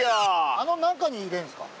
あの中に入れるんすか？